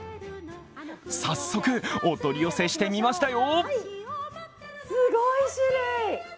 早速、お取り寄せしてみましたよ！